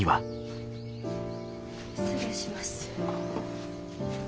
失礼します。